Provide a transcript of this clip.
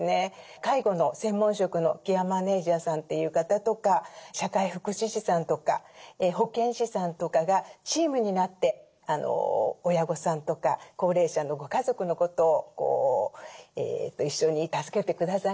介護の専門職のケアマネジャーさんという方とか社会福祉士さんとか保健師さんとかがチームになって親御さんとか高齢者のご家族のことを一緒に助けて下さいますので。